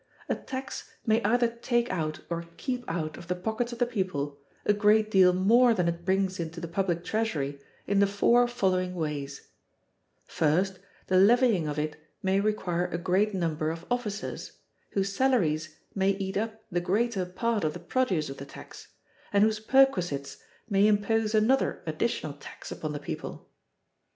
A tax may either take out or keep out of the pockets of the people a great deal more than it brings into the public treasury in the four following ways: First, the levying of it may require a great number of officers, whose salaries may eat up the greater part of the produce of the tax, and whose perquisites may impose another additional tax upon the people."